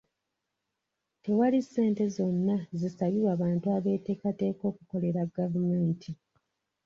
Tewali ssente zonna zisabibwa bantu abeetekateeka okukolera gavumenti.